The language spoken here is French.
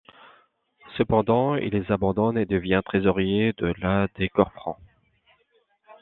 Cependant, il les abandonne et devient trésorier de la des Corps francs.